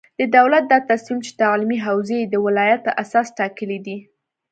د دولت دا تصمیم چې تعلیمي حوزې یې د ولایت په اساس ټاکلې دي،